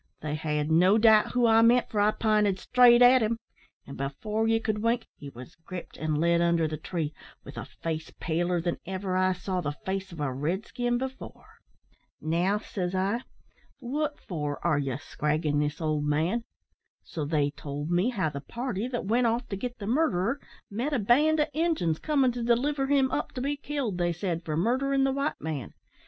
They had no doubt who I meant, for I pinted straight at him; and, before ye could wink, he was gripped, and led under the tree, with a face paler than ever I saw the face o' a red skin before. "`Now,' says I, `wot for are ye scraggin' this old man?' So they told me how the party that went off to git the murderer met a band o' injuns comin' to deliver him up to be killed, they said, for murderin' the white man.